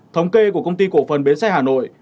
thống kê của công ty cổ phần bến xe hà nội